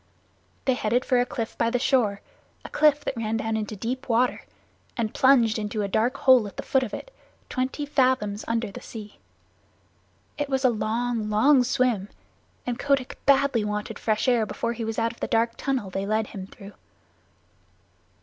They headed for a cliff by the shore a cliff that ran down into deep water, and plunged into a dark hole at the foot of it, twenty fathoms under the sea. It was a long, long swim, and Kotick badly wanted fresh air before he was out of the dark tunnel they led him through.